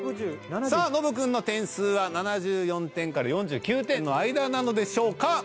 さあノブくんの点数は７４点４９点の間なのでしょうか？